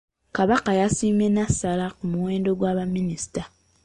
Kabaka yasiimye n'asala ku muwendo gwa baminisita.